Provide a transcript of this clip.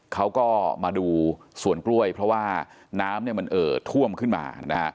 เขาก็มาดูสวนกล้วยเพราะว่าน้ำมันเอ่อท่วมขึ้นมานะฮะ